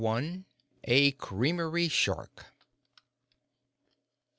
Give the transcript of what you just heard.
A CREAMERY SHARK.